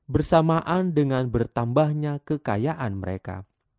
bersamaan dengan bertambahnya kekayaan mereka